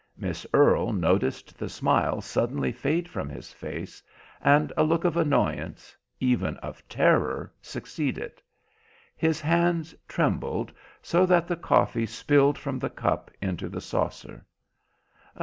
Miss Earle noticed the smile suddenly fade from his face, and a look of annoyance, even of terror, succeed it. His hands trembled, so that the coffee spilled from the cup into the saucer.